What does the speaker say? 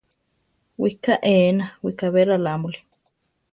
Wiká éena, wikábe rarámuri.